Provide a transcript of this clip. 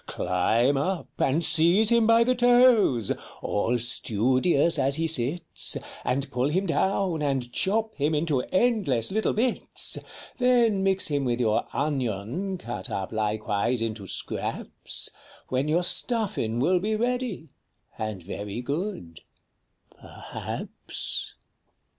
Climb up, and seize him by the toes, â all studious as he sits, â And pull him down, and chop him into endless little bits ! Then mix him with your Onion (cut up likewise into Scraps), â When your Stuffin' will be ready, and very good â perhaps."